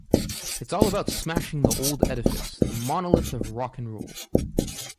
It's all about smashing the old edifice, the monolith of rock and roll.